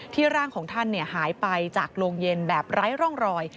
ร่างของท่านหายไปจากโรงเย็นแบบไร้ร่องรอย